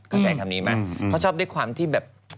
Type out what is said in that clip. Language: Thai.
เขาชอบได้ความที่แบบ